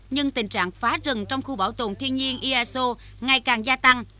nhưng tình trạng phá rừng trong khu bảo tồn thiên nhiên iaso ngày càng gia tăng